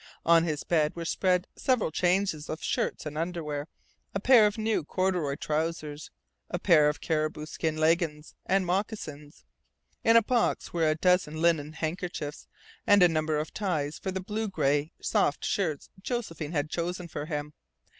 On his bed were spread several changes of shirts and underwear, a pair of new corduroy trousers, a pair of caribou skin leggings, and moccasins. In a box were a dozen linen handkerchiefs and a number of ties for the blue gray soft shirts Josephine had chosen for him.